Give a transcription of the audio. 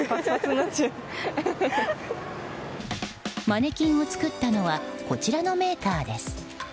マネキンを作ったのはこちらのメーカーです。